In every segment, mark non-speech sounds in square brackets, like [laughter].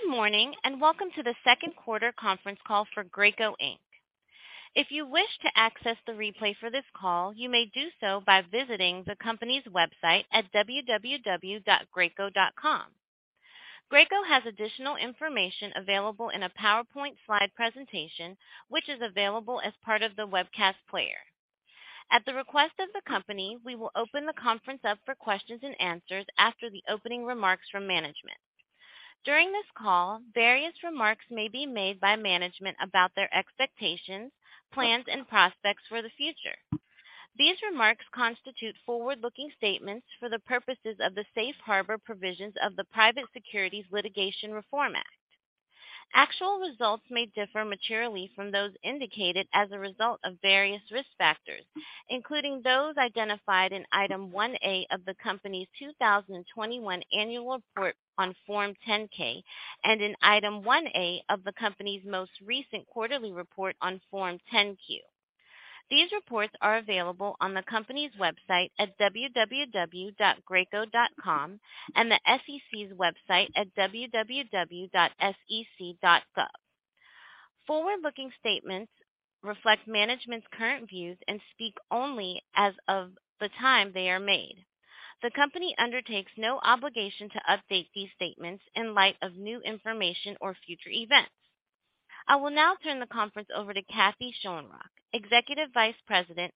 Good morning, and welcome to the Second Quarter Conference Call for Graco Inc. If you wish to access the replay for this call, you may do so by visiting the company's website at www.graco.com. Graco has additional information available in a PowerPoint slide presentation, which is available as part of the webcast player. At the request of the company, we will open the conference up for questions and answers after the opening remarks from management. During this call, various remarks may be made by management about their expectations, plans, and prospects for the future. These remarks constitute forward-looking statements for the purposes of the safe harbor provisions of the Private Securities Litigation Reform Act. Actual results may differ materially from those indicated as a result of various risk factors, including those identified in item 1A of the company's 2021 annual report on Form 10-K and in item 1A of the company's most recent quarterly report on Form 10-Q. These reports are available on the company's website at www.graco.com and the SEC's website at www.sec.gov. Forward-looking statements reflect management's current views and speak only as of the time they are made. The company undertakes no obligation to update these statements in light of new information or future events. I will now turn the conference over to Kathy Schoenrock, Executive Vice President,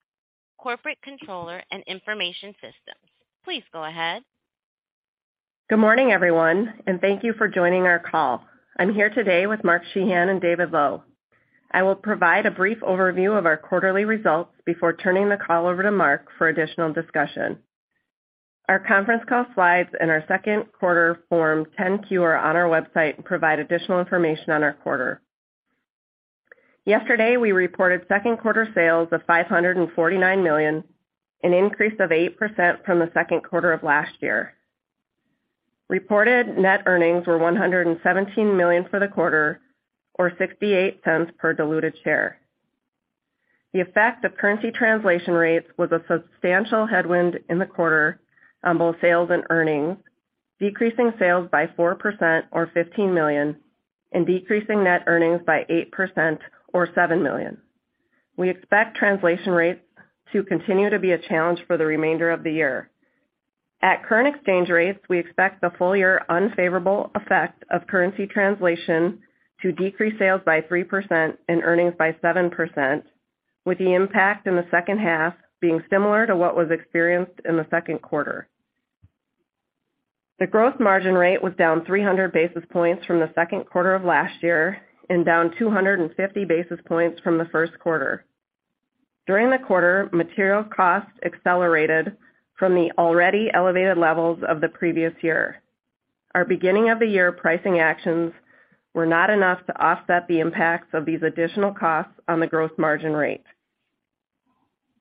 Corporate Controller and Information Systems. Please go ahead. Good morning, everyone, and thank you for joining our call. I'm here today with Mark Sheahan and David Lowe. I will provide a brief overview of our quarterly results before turning the call over to Mark for additional discussion. Our conference call slides and our second quarter Form 10-Q are on our website and provide additional information on our quarter. Yesterday, we reported second quarter sales of $549 million, an increase of 8% from the second quarter of last year. Reported net earnings were $117 million for the quarter or $0.68 per diluted share. The effect of currency translation rates was a substantial headwind in the quarter on both sales and earnings, decreasing sales by 4% or $15 million, and decreasing net earnings by 8% or $7 million. We expect translation rates to continue to be a challenge for the remainder of the year. At current exchange rates, we expect the full year unfavorable effect of currency translation to decrease sales by 3% and earnings by 7%, with the impact in the second half being similar to what was experienced in the second quarter. The growth margin rate was down 300-basis points from the second quarter of last year and down 250-basis points from the first quarter. During the quarter, material costs accelerated from the already elevated levels of the previous year. Our beginning of the year pricing actions were not enough to offset the impacts of these additional costs on the growth margin rate.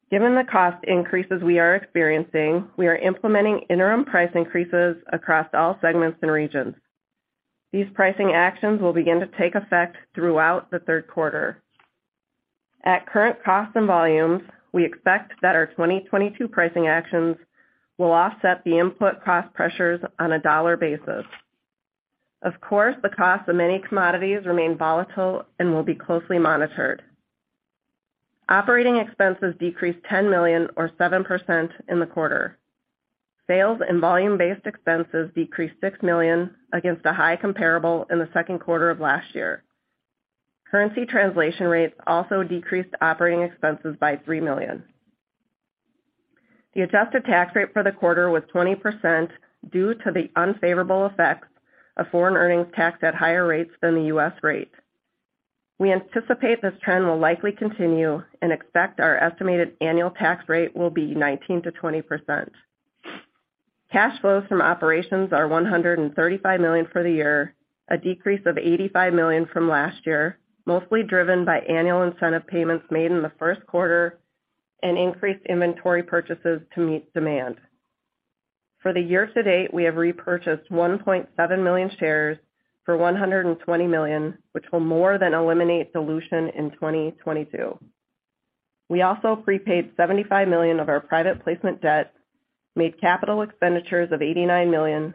Given the cost increases we are experiencing, we are implementing interim price increases across all segments and regions. These pricing actions will begin to take effect throughout the third quarter. At current costs and volumes, we expect that our 2022 pricing actions will offset the input cost pressures on a dollar basis. Of course, the cost of many commodities remain volatile and will be closely monitored. Operating expenses decreased $10 million or 7% in the quarter. Sales and volume-based expenses decreased $6 million against a high comparable in the second quarter of last year. Currency translation rates also decreased operating expenses by $3 million. The adjusted tax rate for the quarter was 20% due to the unfavorable effects of foreign earnings taxed at higher rates than the US rate. We anticipate this trend will likely continue and expect our estimated annual tax rate will be 19% to 20%. Cash flows from operations are $135 million for the year, a decrease of $85 million from last year, mostly driven by annual incentive payments made in the first quarter and increased inventory purchases to meet demand. For the year to date, we have repurchased 1.7 million shares for $120 million, which will more than eliminate dilution in 2022. We also prepaid $75 million of our private placement debt, made capital expenditures of $89 million,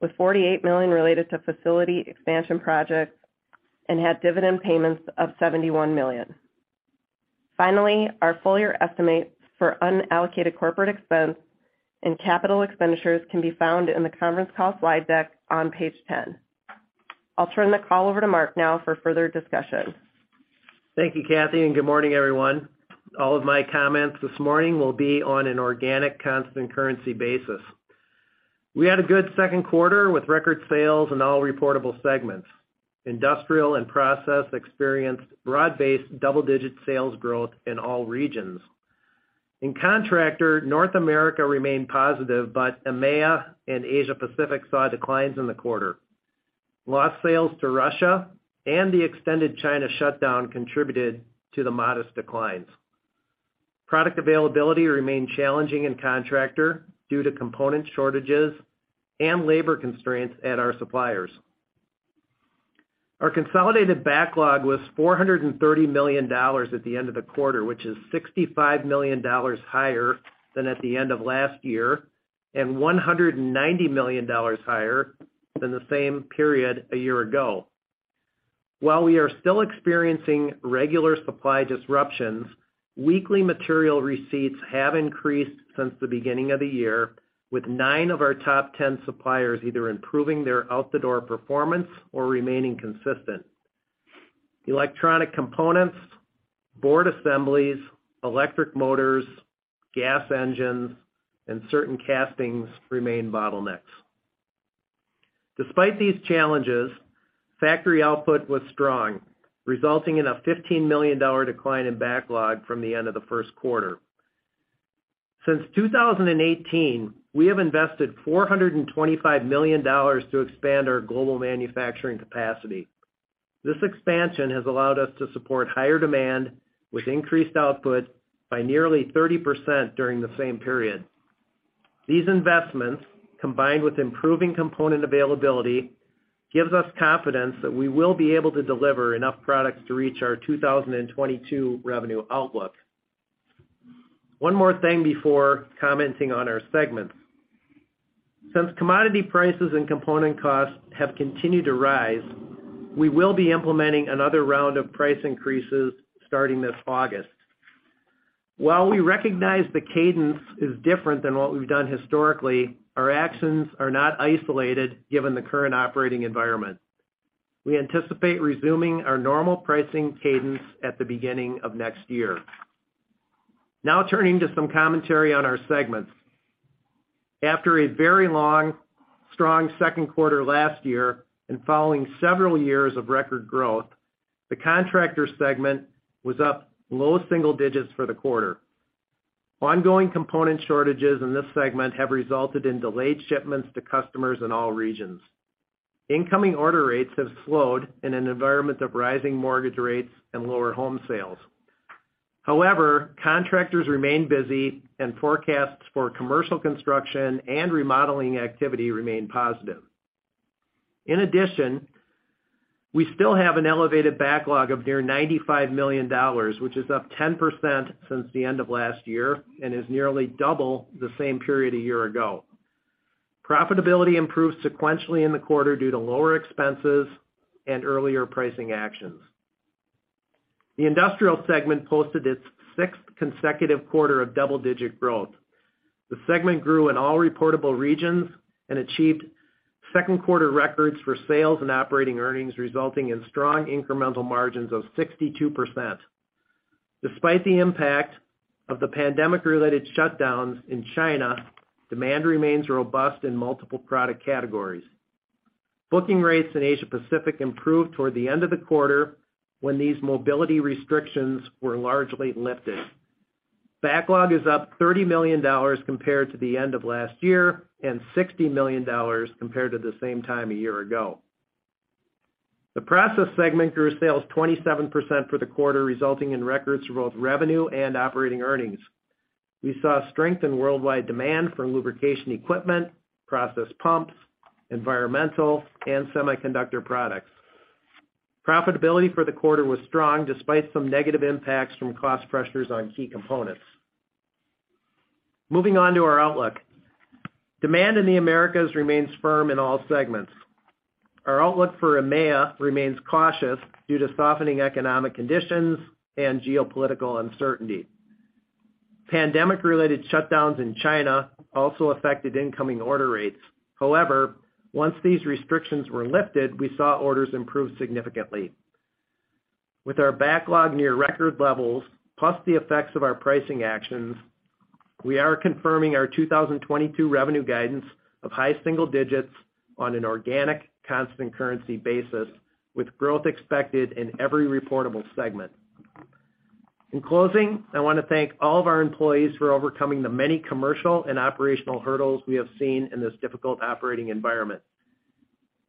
with $48 million related to facility expansion projects, and had dividend payments of $71 million. Finally, our full year estimates for unallocated corporate expense and capital expenditures can be found in the conference call slide deck on page 10. I'll turn the call over to Mark now for further discussion. Thank you, Kathy, and good morning, everyone. All of my comments this morning will be on an organic constant currency basis. We had a good second quarter with record sales in all reportable segments. Industrial and Process experienced broad-based double-digit sales growth in all regions. In Contractor, North America remained positive, but EMEA and Asia Pacific saw declines in the quarter. Lost sales to Russia and the extended China shutdown contributed to the modest declines. Product availability remained challenging in Contractor due to component shortages and labor constraints at our suppliers. Our consolidated backlog was $430 million at the end of the quarter, which is $65 million higher than at the end of last year, and $190 million higher than the same period a year ago. While we are still experiencing regular supply disruptions, weekly material receipts have increased since the beginning of the year, with nine of our top 10 suppliers either improving their out-the-door performance or remaining consistent. Electronic components, board assemblies, electric motors, gas engines, and certain castings remain bottlenecks. Despite these challenges, factory output was strong, resulting in a $15 million decline in backlog from the end of the first quarter. Since 2018, we have invested $425 million to expand our global manufacturing capacity. This expansion has allowed us to support higher demand with increased output by nearly 30% during the same period. These investments, combined with improving component availability, gives us confidence that we will be able to deliver enough products to reach our 2022 revenue outlook. One more thing before commenting on our segments. Since commodity prices and component costs have continued to rise, we will be implementing another round of price increases starting this August. While we recognize the cadence is different than what we've done historically, our actions are not isolated given the current operating environment. We anticipate resuming our normal pricing cadence at the beginning of next year. Now turning to some commentary on our segments. After a very strong second quarter last year and following several years of record growth, the Contractor segment was up low single digits for the quarter. Ongoing component shortages in this segment have resulted in delayed shipments to customers in all regions. Incoming order rates have slowed in an environment of rising mortgage rates and lower home sales. However, contractors remain busy and forecasts for commercial construction and remodeling activity remain positive. In addition, we still have an elevated backlog of near $95 million, which is up 10% since the end of last year and is nearly double the same period a year ago. Profitability improved sequentially in the quarter due to lower expenses and earlier pricing actions. The Industrial segment posted its sixth consecutive quarter of double-digit growth. The segment grew in all reportable regions and achieved second quarter records for sales and operating earnings, resulting in strong incremental margins of 62%. Despite the impact of the pandemic-related shutdowns in China, demand remains robust in multiple product categories. Booking rates in Asia Pacific improved toward the end of the quarter when these mobility restrictions were largely lifted. Backlog is up $30 million compared to the end of last year and $60 million compared to the same time a year ago. The Process segment grew sales 27% for the quarter, resulting in records for both revenue and operating earnings. We saw strength in worldwide demand for lubrication equipment, process pumps, environmental and semiconductor products. Profitability for the quarter was strong despite some negative impacts from cost pressures on key components. Moving on to our outlook. Demand in the Americas remains firm in all segments. Our outlook for EMEA remains cautious due to softening economic conditions and geopolitical uncertainty. Pandemic-related shutdowns in China also affected incoming order rates. However, once these restrictions were lifted, we saw orders improve significantly. With our backlog near record levels, plus the effects of our pricing actions, we are confirming our 2022 revenue guidance of high single digits on an organic constant currency basis, with growth expected in every reportable segment. In closing, I want to thank all of our employees for overcoming the many commercial and operational hurdles we have seen in this difficult operating environment.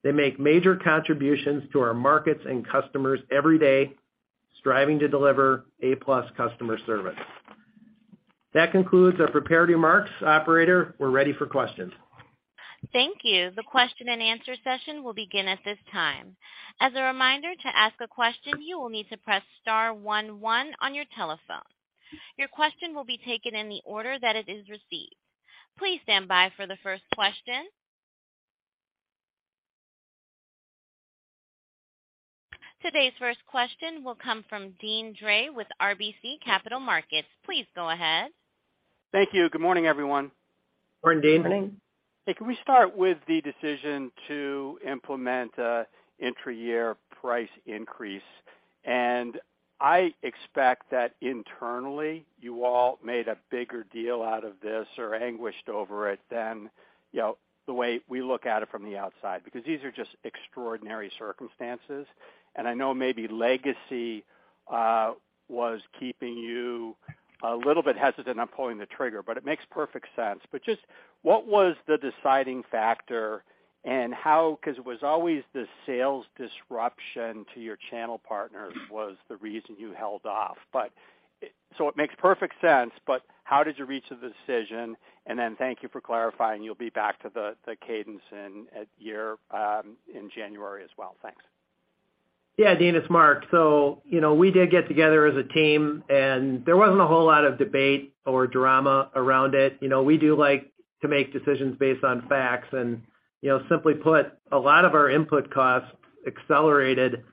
They make major contributions to our markets and customers every day, striving to deliver A+ customer service. That concludes our prepared remarks. Operator, we're ready for questions. Thank you. The question-and-answer session will begin at this time. As a reminder, to ask a question, you will need to press star one, one on your telephone. Your question will be taken in the order that it is received. Please stand by for the first question. Today's first question will come from Deane Dray with RBC Capital Markets. Please go ahead. Thank you. Good morning, everyone. Morning, Deane. Morning. Hey, can we start with the decision to implement a intra-year price increase? I expect that internally you all made a bigger deal out of this or anguished over it than, you know, the way we look at it from the outside, because these are just extraordinary circumstances. I know maybe legacy was keeping you a little bit hesitant on pulling the trigger, but it makes perfect sense. Just what was the deciding factor and how, cause it was always the sales disruption to your channel partners was the reason you held off. It makes perfect sense, but how did you reach the decision? Then thank you for clarifying you'll be back to the cadence in at year in January as well. Thanks. Yeah, Deane, it's Mark. You know, we did get together as a team, and there wasn't a whole lot of debate or drama around it. You know, we do like to make decisions based on facts. You know, simply put, a lot of our input costs accelerated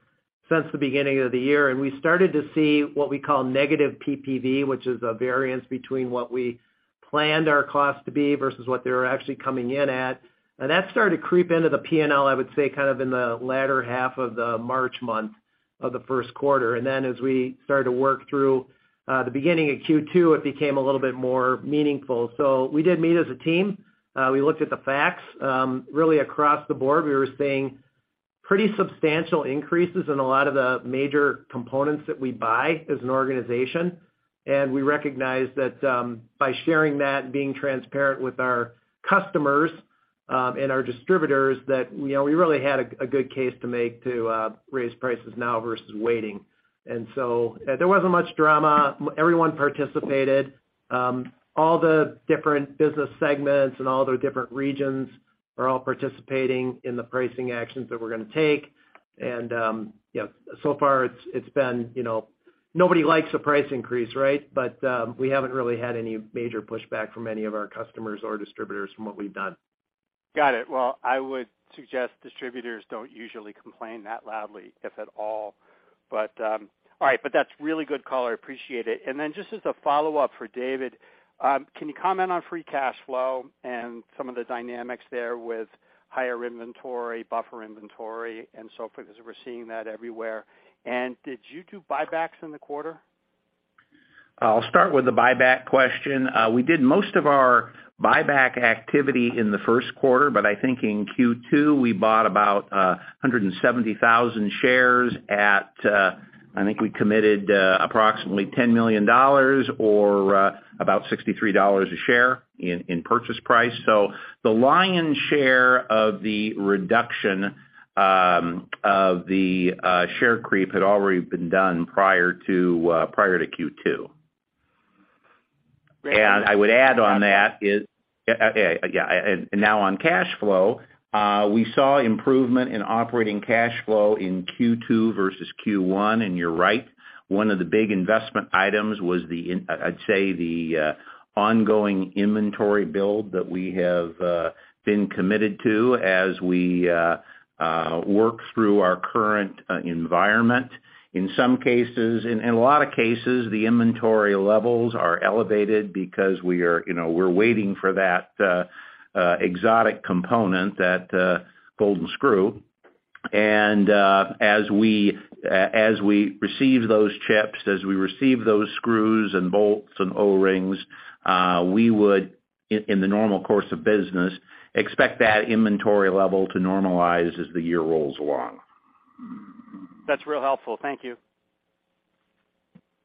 since the beginning of the year, and we started to see what we call negative PPV, which is a variance between what we planned our costs to be versus what they're actually coming in at. That started to creep into the P&L, I would say, kind of in the latter half of the March month of the first quarter. Then as we started to work through the beginning of second quarter, it became a little bit more meaningful. We did meet as a team. We looked at the facts. Really across the board, we were seeing pretty substantial increases in a lot of the major components that we buy as an organization. We recognized that, by sharing that and being transparent with our customers, and our distributors, that, you know, we really had a good case to make to raise prices now versus waiting. There wasn't much drama. Everyone participated. All the different business segments and all the different regions are all participating in the pricing actions that we're gonna take. You know, so far, it's been, you know. Nobody likes a price increase, right? We haven't really had any major pushback from any of our customers or distributors from what we've done. Got it. Well, I would suggest distributors don't usually complain that loudly, if at all. All right, but that's really good color. I appreciate it. Then just as a follow-up for David, can you comment on free cash flow and some of the dynamics there with higher inventory, buffer inventory and so forth, as we're seeing that everywhere? Did you do buybacks in the quarter? I'll start with the buyback question. We did most of our buyback activity in the first quarter, but I think in second quarter we bought about 170,000 shares at, I think we committed approximately $10 million or about $63 a share in purchase price. The lion's share of the reduction of the share creep had already been done prior to second quarter. I would add on that is yeah, now on cash flow, we saw improvement in operating cash flow in second quarter versus first quarter. You're right, one of the big investment items was the I'd say the ongoing inventory build that we have been committed to as we work through our current environment. In some cases, in a lot of cases, the inventory levels are elevated because we are, you know, we're waiting for that exotic component, that golden screw. As we receive those chips, as we receive those screws and bolts and O-rings, we would, in the normal course of business, expect that inventory level to normalize as the year rolls along. That's real helpful. Thank you.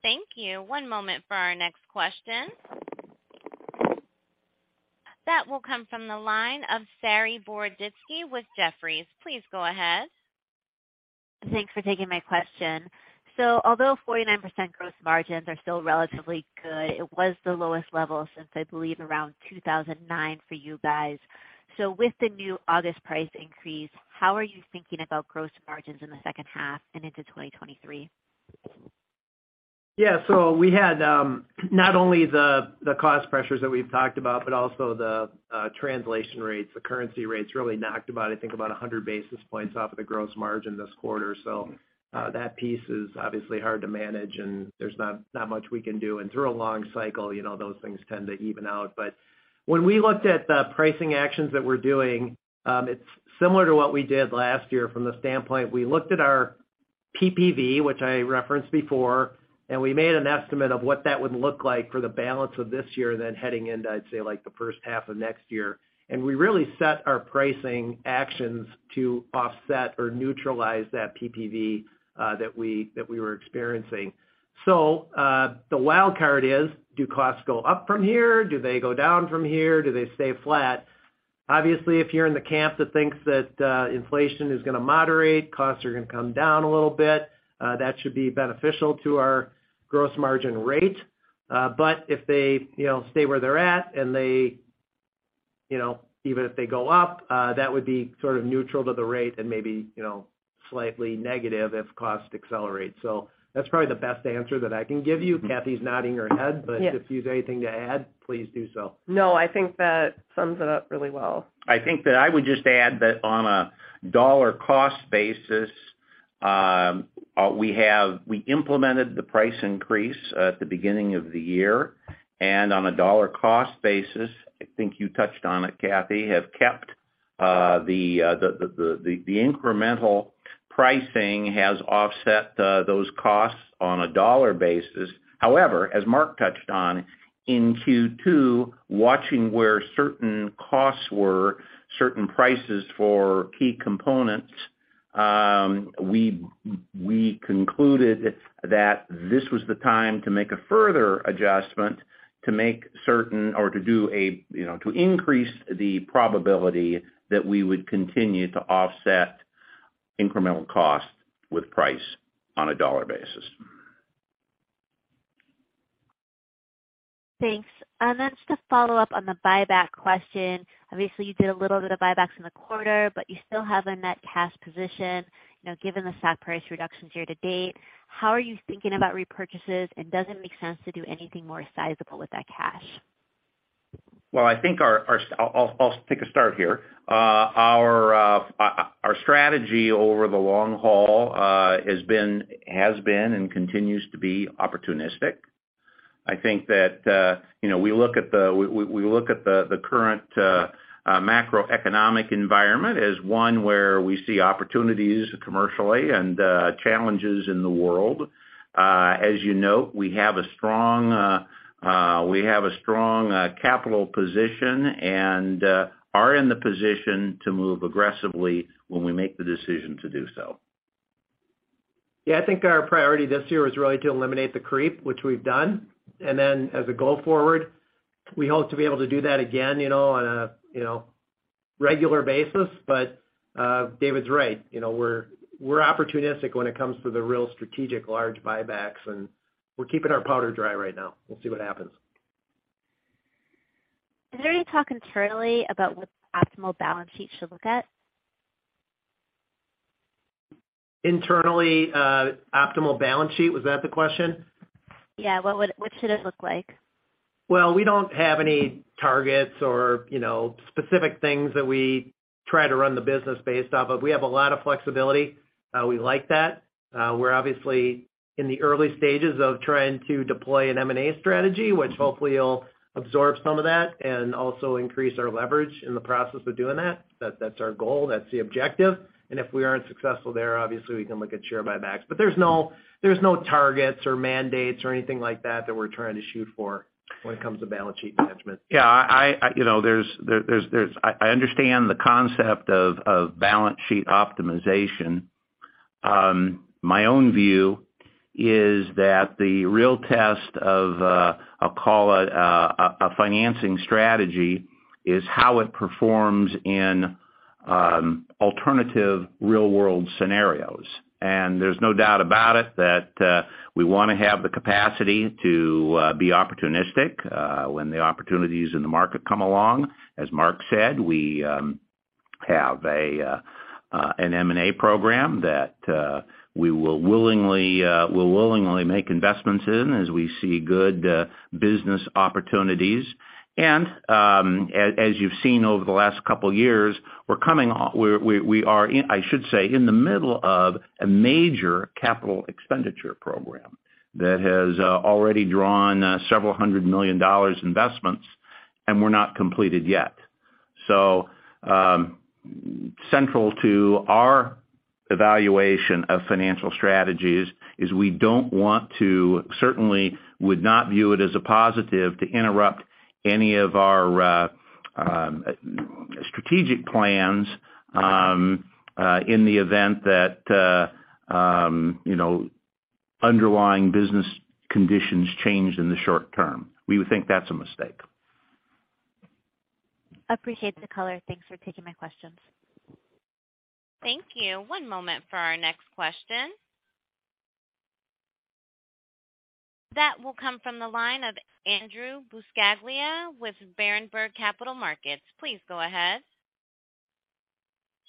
Thank you. One moment for our next question. That will come from the line of Saree Boroditsky with Jefferies. Please go ahead. Thanks for taking my question. Although 49% gross margins are still relatively good, it was the lowest level since, I believe, around 2009 for you guys. With the new August price increase, how are you thinking about gross margins in the second half and into 2023? Yeah. We had not only the cost pressures that we've talked about, but also the translation rates. The currency rates really knocked about, I think, 100-basis points off of the gross margin this quarter. That piece is obviously hard to manage, and there's not much we can do. Through a long cycle, you know, those things tend to even out. When we looked at the pricing actions that we're doing, it's similar to what we did last year from the standpoint we looked at our PPV, which I referenced before, and we made an estimate of what that would look like for the balance of this year and then heading into, I'd say, like, the first half of next year. We really set our pricing actions to offset or neutralize that PPV that we were experiencing. The wild card is, do costs go up from here? Do they go down from here? Do they stay flat? Obviously, if you're in the camp that thinks that inflation is gonna moderate, costs are gonna come down a little bit, that should be beneficial to our gross margin rate. If they, you know, stay where they're at and they, you know, even if they go up, that would be sort of neutral to the rate and maybe, you know, slightly negative if costs accelerate. That's probably the best answer that I can give you. Kathy's nodding her head. Mm-hmm. Yes. If you have anything to add, please do so. No, I think that sums it up really well. I think that I would just add that on a dollar cost basis, we implemented the price increase at the beginning of the year, and on a dollar cost basis, I think you touched on it, Kathy, have kept the incremental pricing has offset those costs on a dollar basis. However, as Mark touched on, in second quarter, watching where certain costs were, certain prices for key components, we concluded that this was the time to make a further adjustment to make certain or to do a, you know, to increase the probability that we would continue to offset incremental cost with price on a dollar basis. Thanks. Then just to follow up on the buyback question. Obviously, you did a little bit of buybacks in the quarter, but you still have a net cash position. You know, given the stock price reductions year to date, how are you thinking about repurchases? Does it make sense to do anything more sizable with that cash? Well, I think our—I'll take a stab here. Our strategy over the long haul has been and continues to be opportunistic. I think that, you know, we look at the current macroeconomic environment as one where we see opportunities commercially and challenges in the world. As you note, we have a strong capital position and are in the position to move aggressively when we make the decision to do so. Yeah. I think our priority this year is really to eliminate the creep, which we've done. Then as we go forward, we hope to be able to do that again, you know, on a, you know, regular basis. David's right. You know, we're opportunistic when it comes to the real strategic large buybacks, and we're keeping our powder dry right now. We'll see what happens. Is there any talk internally about what the optimal balance sheet should look like? Internally, optimal balance sheet, was that the question? Yeah. What should it look like? Well, we don't have any targets or, you know, specific things that we try to run the business based off of. We have a lot of flexibility. We like that. We're obviously in the early stages of trying to deploy an M&A strategy, which hopefully will absorb some of that and also increase our leverage in the process of doing that. That's our goal. That's the objective. If we aren't successful there, obviously we can look at share buybacks. There's no targets or mandates or anything like that that we're trying to shoot for when it comes to balance sheet management. Yeah, you know, I understand the concept of balance sheet optimization. My own view is that the real test of, I'll call it a financing strategy, is how it performs in alternative real world scenarios. There's no doubt about it that we wanna have the capacity to be opportunistic when the opportunities in the market come along. As Mark said, we have an M&A program that we'll willingly make investments in as we see good business opportunities. As you've seen over the last couple years, we are, I should say, in the middle of a major capital expenditure program that has already drawn $ several hundred million investments, and we're not completed yet. Central to our evaluation of financial strategies is we don't want to, certainly would not view it as a positive to interrupt any of our strategic plans in the event that you know underlying business conditions change in the short term. We would think that's a mistake. Appreciate the color. Thanks for taking my questions. Thank you. One moment for our next question. That will come from the line of Andrew Buscaglia with Berenberg Capital Markets. Please go ahead.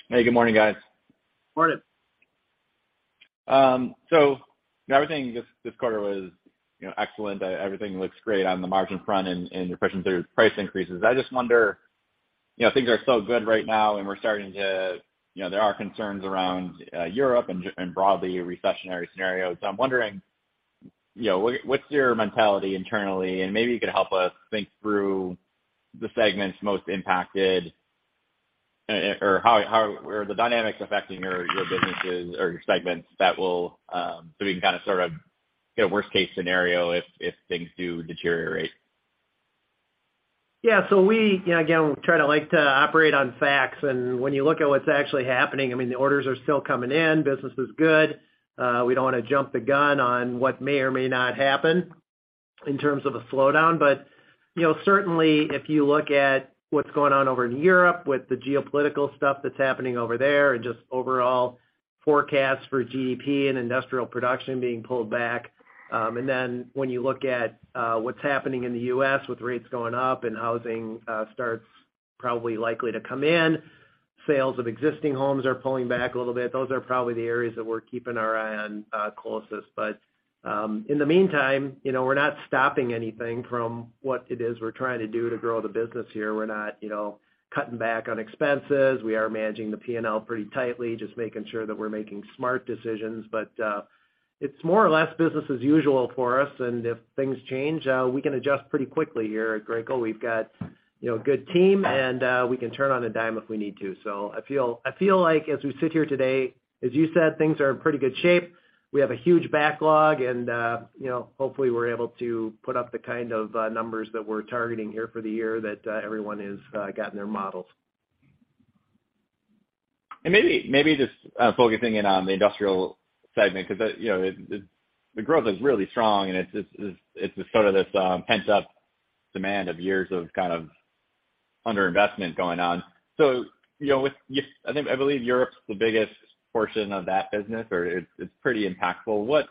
Hey, good morning, guys. Morning. Everything this quarter was, you know, excellent. Everything looks great on the margin front and your pricing through price increases. I just wonder, you know, things are so good right now and you know, there are concerns around Europe and broadly recessionary scenarios. I'm wondering, you know, what's your mentality internally? Maybe you could help us think through the segments most impacted or how are the dynamics affecting your businesses or your segments that will so we can kind of sort of get a worst-case scenario if things do deteriorate. Yeah. We, you know, again, try to like to operate on facts. When you look at what's actually happening, I mean, the orders are still coming in. Business is good. We don't want to jump the gun on what may or may not happen in terms of a slowdown. You know, certainly if you look at what's going on over in Europe with the geopolitical stuff that's happening over there and just overall forecasts for GDP and industrial production being pulled back. And then when you look at what's happening in the US with rates going up and housing starts probably likely to come in, sales of existing homes are pulling back a little bit. Those are probably the areas that we're keeping our eye on closest. In the meantime, you know, we're not stopping anything from what it is we're trying to do to grow the business here. We're not, you know, cutting back on expenses. We are managing the P&L pretty tightly, just making sure that we're making smart decisions. It's more or less business as usual for us. If things change, we can adjust pretty quickly here at Graco. We've got, you know, a good team, and we can turn on a dime if we need to. I feel like as we sit here today, as you said, things are in pretty good shape. We have a huge backlog and, you know, hopefully we're able to put up the kind of numbers that we're targeting here for the year that everyone has got in their models. Maybe just focusing in on the Industrial segment, cause, you know, the growth is really strong and it's just sort of this pent-up demand of years of kind of underinvestment going on. You know, I think, I believe Europe's the biggest portion of that business or it's pretty impactful. What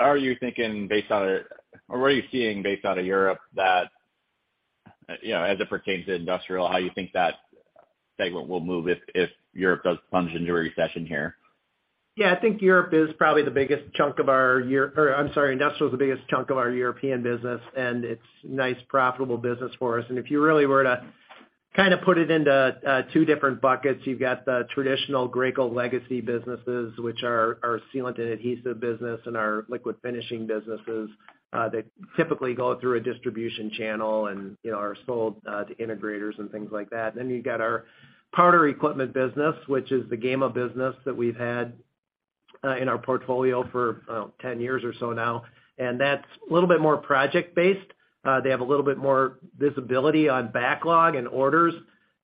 are you thinking or what are you seeing based out of Europe that, you know, as it pertains to Industrial, how you think that segment will move if Europe does plunge into a recession here? Yeah. I think Europe is probably the biggest chunk of our Industrial, and it's nice profitable business for us. If you really were to kind of put it into two different buckets, you've got the traditional Graco legacy businesses, which are our sealant and adhesive business and our liquid finishing businesses, that typically go through a distribution channel and, you know, are sold to integrators and things like that. You've got our powder equipment business, which is the Gema business that we've had in our portfolio for, I don't know, 10 years or so now, and that's a little bit more project based. They have a little bit more visibility on backlog and orders.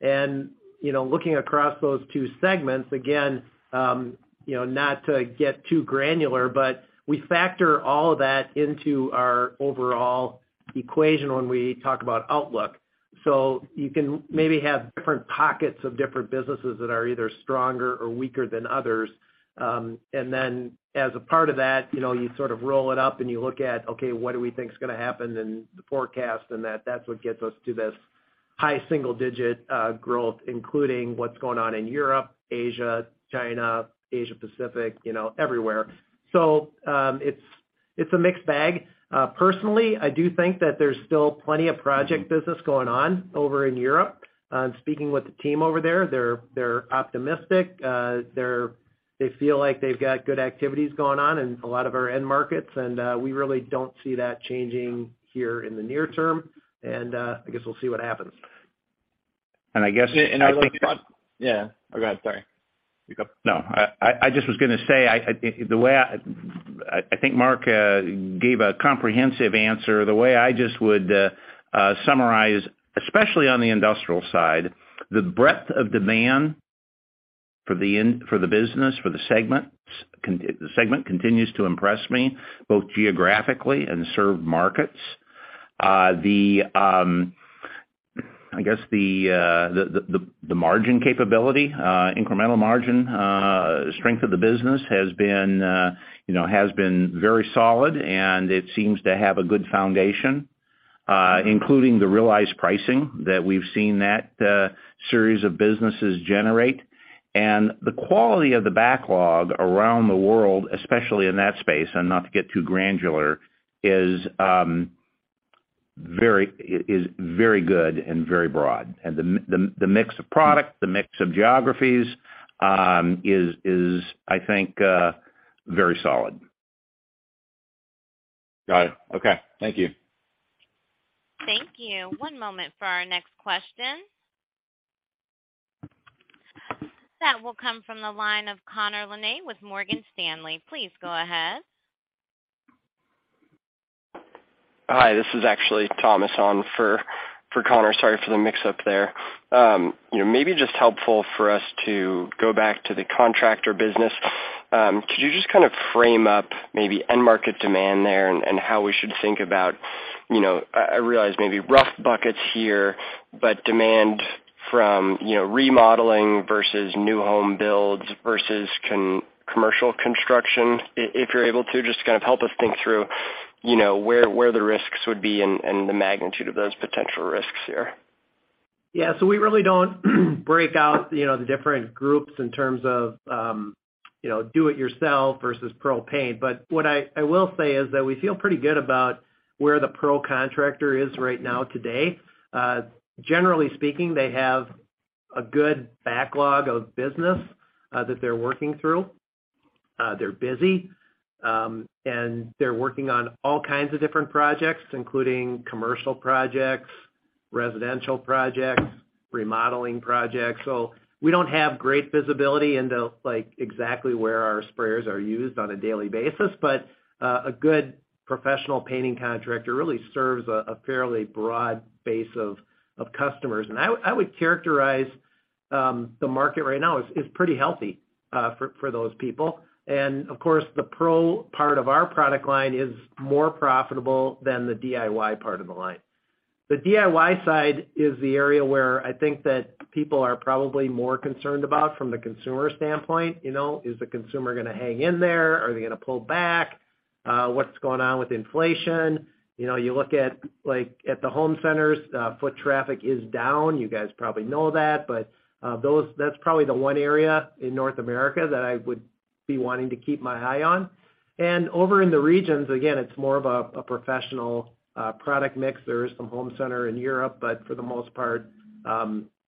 You know, looking across those two segments, again, you know, not to get too granular, but we factor all of that into our overall equation when we talk about outlook. You can maybe have different pockets of different businesses that are either stronger or weaker than others. Then as a part of that, you know, you sort of roll it up, and you look at, okay, what do we think is gonna happen in the forecast, and that's what gets us to this high single digit growth, including what's going on in Europe, Asia, China, Asia Pacific, you know, everywhere. It's a mixed bag. Personally, I do think that there's still plenty of project business going on over in Europe. Speaking with the team over there, they're optimistic. They feel like they've got good activities going on in a lot of our end markets, and we really don't see that changing here in the near term. I guess we'll see what happens. I guess... [crosstalk] I think that's... [crosstalk] I think that... [crosstalk] Yeah. Go ahead. Sorry. You go. No. I just was gonna say, I think Mark gave a comprehensive answer. The way I just would summarize, especially on the industrial side, the breadth of demand for the business, for the segments, the segment continues to impress me both geographically and served markets. I guess the margin capability, incremental margin, strength of the business has been, you know, very solid, and it seems to have a good foundation, including the realized pricing that we've seen that series of businesses generate. The quality of the backlog around the world, especially in that space, and not to get too granular, is very good and very broad. The mix of product, the mix of geographies, is I think very solid. Got it. Okay. Thank you. Thank you. One moment for our next question. That will come from the line of Conor Laney with Morgan Stanley. Please go ahead. Hi. This is actually Thomas on for Conor. Sorry for the mix-up there. You know, maybe just helpful for us to go back to the Contractor business. Could you just kind of frame up maybe end market demand there and how we should think about, you know, I realize maybe rough buckets here, but demand from, you know, remodeling versus new home builds versus commercial construction, if you're able to just kind of help us think through, you know, where the risks would be and the magnitude of those potential risks here. Yeah. We really don't break out, you know, the different groups in terms of, you know, do it yourself versus pro paint. What I will say is that we feel pretty good about where the pro contractor is right now today. Generally speaking, they have a good backlog of business that they're working through. They're busy, and they're working on all kinds of different projects, including commercial projects, residential projects, remodeling projects. We don't have great visibility into, like, exactly where our sprayers are used on a daily basis, but a good professional painting contractor really serves a fairly broad base of customers. I would characterize the market right now as pretty healthy for those people. Of course, the pro part of our product line is more profitable than the DIY part of the line. The DIY side is the area where I think that people are probably more concerned about from the consumer standpoint. You know, is the consumer gonna hang in there? Are they gonna pull back? What's going on with inflation? You know, you look at, like, at the home centers, foot traffic is down. You guys probably know that, but that's probably the one area in North America that I would be wanting to keep my eye on. Over in the regions, again, it's more of a professional product mix. There is some home center in Europe, but for the most part,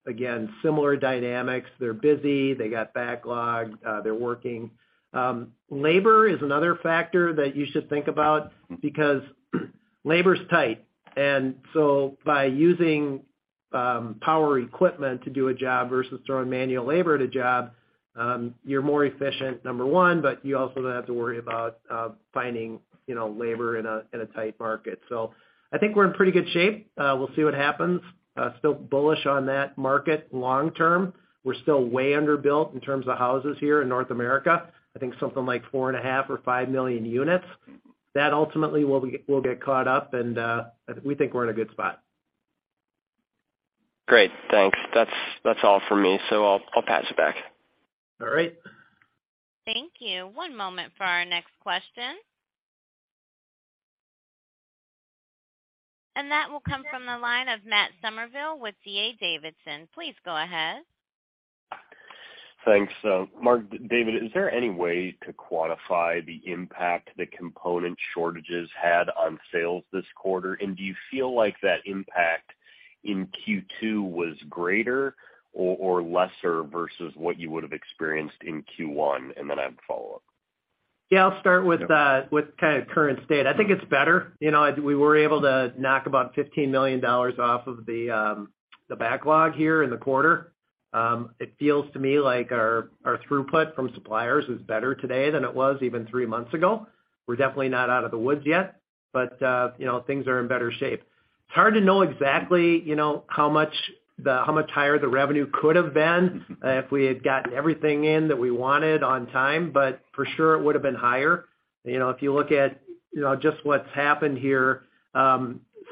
again, similar dynamics. They're busy. They got backlog. They're working. Labor is another factor that you should think about because labor's tight. By using power equipment to do a job versus throwing manual labor at a job, you're more efficient, number one, but you also don't have to worry about finding, you know, labor in a tight market. I think we're in pretty good shape. We'll see what happens. Still bullish on that market long term. We're still way underbuilt in terms of houses here in North America. I think something like 4.5 million or 5 million units. That ultimately will get caught up, and we think we're in a good spot. Great. Thanks. That's all for me, so I'll pass it back. All right. Thank you. One moment for our next question. That will come from the line of Matt Summerville with D.A. Davidson. Please go ahead. Thanks. Mark, David, is there any way to quantify the impact the component shortages had on sales this quarter? Do you feel like that impact in second quarter was greater or lesser versus what you would have experienced in first quarter? Then I have a follow-up. Yeah, I'll start with with kind of current state. I think it's better. You know, we were able to knock about $15 million off of the backlog here in the quarter. It feels to me like our throughput from suppliers is better today than it was even three months ago. We're definitely not out of the woods yet, but you know, things are in better shape. It's hard to know exactly, you know, how much higher the revenue could have been if we had gotten everything in that we wanted on time, but for sure it would have been higher. You know, if you look at, you know, just what's happened here,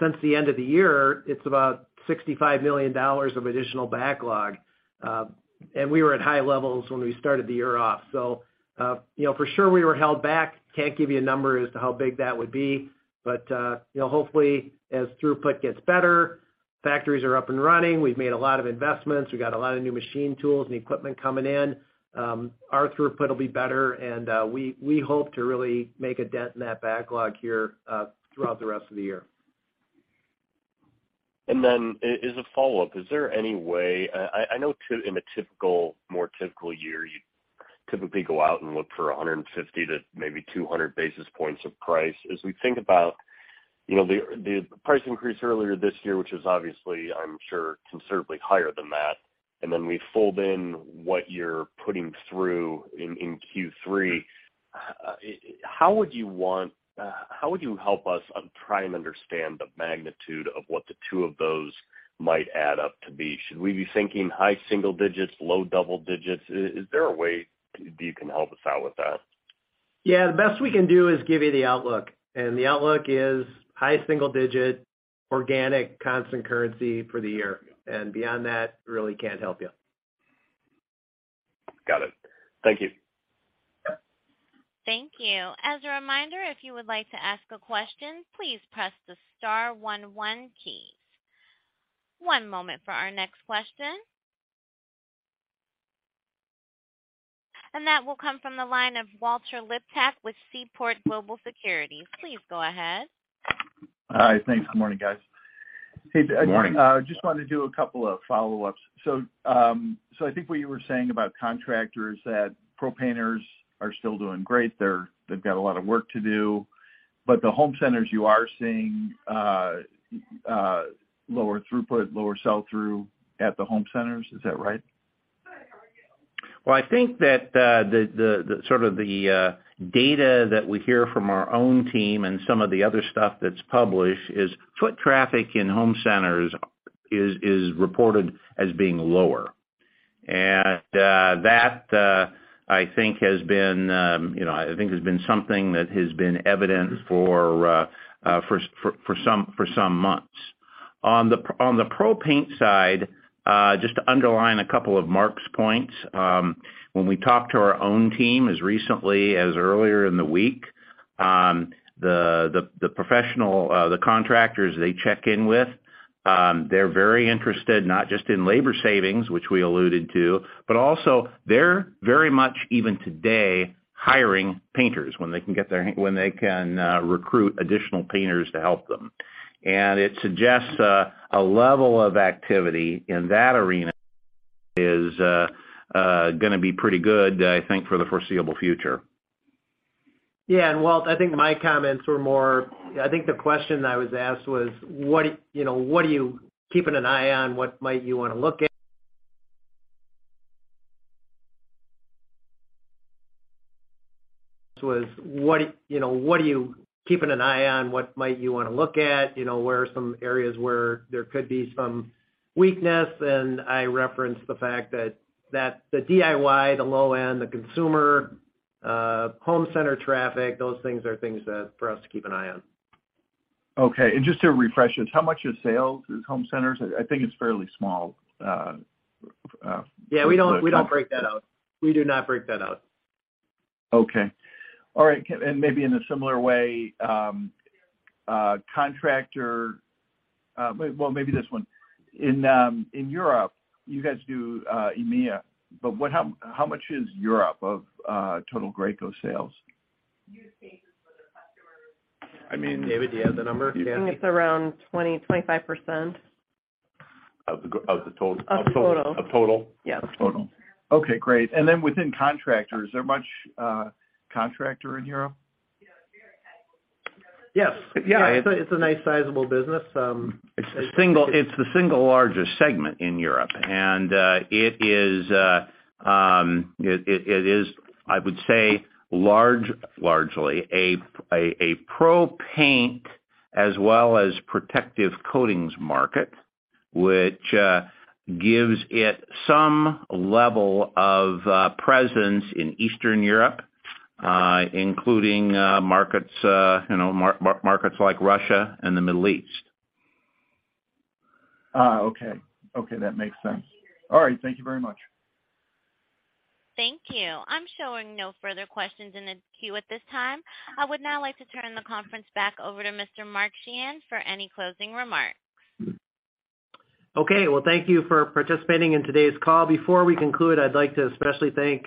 since the end of the year, it's about $65 million of additional backlog. We were at high levels when we started the year off. You know, for sure we were held back. Can't give you a number as to how big that would be. You know, hopefully, as throughput gets better, factories are up and running. We've made a lot of investments. We got a lot of new machine tools and equipment coming in. Our throughput will be better, and we hope to really make a dent in that backlog here throughout the rest of the year. As a follow-up, is there any way I know in a typical year, you typically go out and look for 150 to maybe 200-basis points of price. As we think about, you know, the price increase earlier this year, which is obviously, I'm sure considerably higher than that, and then we fold in what you're putting through in third quarter, how would you want how would you help us try and understand the magnitude of what the two of those might add up to be? Should we be thinking high single digits, low double digits? Is there a way you can help us out with that? Yeah. The best we can do is give you the outlook, and the outlook is high single-digit organic constant-currency for the year. Beyond that, really can't help you. Got it. Thank you. Thank you. As a reminder, if you would like to ask a question, please press the star one, one key. One moment for our next question. That will come from the line of Walter Liptak with Seaport Global Securities. Please go ahead. Hi. Thanks. Good morning, guys. Good morning. Hey, I just wanted to do a couple of follow-ups. I think what you were saying about contractors, that pro painters are still doing great. They've got a lot of work to do. The home centers, you are seeing lower throughput, lower sell through at the home centers. Is that right? Well, I think that the sort of data that we hear from our own team and some of the other stuff that's published is foot traffic in home centers is reported as being lower. That I think has been, you know, something that has been evident for some months. On the pro paint side, just to underline a couple of Mark's points, when we talk to our own team, as recently as earlier in the week, the professional contractors they check in with, they're very interested, not just in labor savings, which we alluded to, but also they're very much even today hiring painters when they can recruit additional painters to help them. It suggests a level of activity in that arena is gonna be pretty good, I think, for the foreseeable future. Yeah. Walt, I think my comments were more. I think the question that was asked was, what, you know, what are you keeping an eye on? What might you want to look at? You know, where are some areas where there could be some weakness? I referenced the fact that the DIY, the low end, the consumer, home center traffic, those things are things for us to keep an eye on. Okay. Just to refresh it, how much is sales through home centers? I think it's fairly small. Yeah, we don't break that out. We do not break that out. Okay. All right. Maybe in a similar way, well, maybe this one. In Europe, you guys do EMEA, but how much is Europe of total Graco sales? I mean, David, do you have the number? I think it's around 20% to 25%. Of the total? Of total. Of total? Yes. Total. Okay, great. Within Contractor, is there much Contractor in Europe? Yes. Yeah. It's a nice sizable business. It's the single largest segment in Europe. It is, I would say, largely a pro paint as well as protective coatings market, which gives it some level of presence in Eastern Europe, including markets, you know, like Russia and the Middle East. Okay, that makes sense. All right. Thank you very much. Thank you. I'm showing no further questions in the queue at this time. I would now like to turn the conference back over to Mr. Mark Sheahan for any closing remarks. Okay. Well, thank you for participating in today's call. Before we conclude, I'd like to especially thank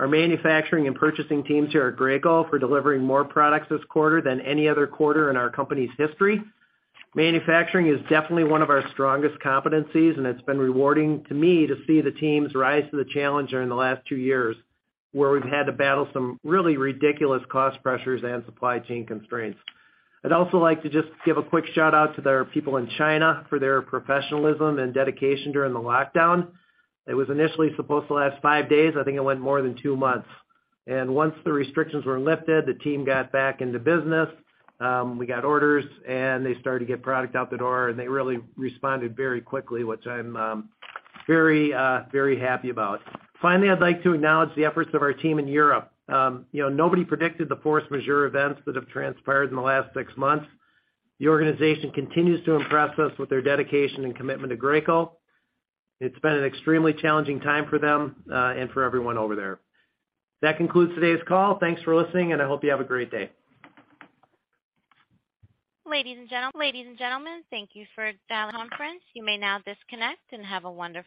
our manufacturing and purchasing teams here at Graco for delivering more products this quarter than any other quarter in our company's history. Manufacturing is definitely one of our strongest competencies, and it's been rewarding to me to see the teams rise to the challenge during the last two years, where we've had to battle some really ridiculous cost pressures and supply chain constraints. I'd also like to just give a quick shout-out to their people in China for their professionalism and dedication during the lockdown. It was initially supposed to last five days. I think it went more than two months. Once the restrictions were lifted, the team got back into business. We got orders, and they started to get product out the door, and they really responded very quickly, which I'm very happy about. Finally, I'd like to acknowledge the efforts of our team in Europe. You know, nobody predicted the force majeure events that have transpired in the last six months. The organization continues to impress us with their dedication and commitment to Graco. It's been an extremely challenging time for them, and for everyone over there. That concludes today's call. Thanks for listening, and I hope you have a great day. Ladies and gentlemen, thank you for dialing the conference. You may now disconnect and have a wonderful day.